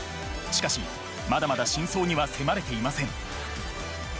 しかしまだまだ真相には迫れていません